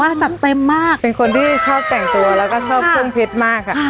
จัดเต็มมากเป็นคนที่ชอบแต่งตัวแล้วก็ชอบเครื่องเพชรมากค่ะ